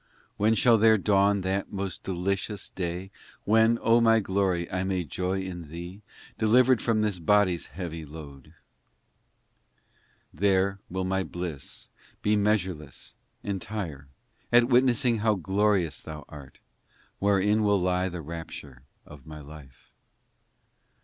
. vi When shall there dawn that most delicious day When, O my Glory, I may joy in Thee, Delivered from this body s heavy load ? VII There will my bliss be measureless, entire, At witnessing how glorious Thou art, Wherein will lie the rapture of my life.